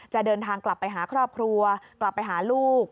จะเดินทางกลับไปหาครอบครัวกลับไปหาลูก